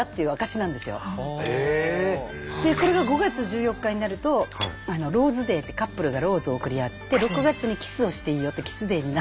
でこれが５月１４日になるとローズデーってカップルがローズを贈り合って６月にキスをしていいよっていうキスデーに。